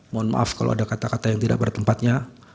mohon maaf kalau ada kata kata yang tidak bertempatnya